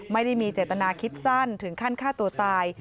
ไม่ได้มีเจตนาคิดสั้นถึงขั้นฆ่าตัวตาย